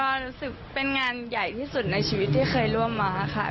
ก็รู้สึกเป็นงานใหญ่ที่สุดในชีวิตที่เคยร่วมมาค่ะ